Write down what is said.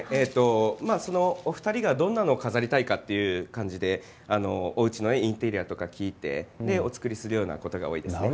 お二人がどんなものを飾りたいかという感じでおうちのインテリアとかを聞いてお作りするようなことが多いです。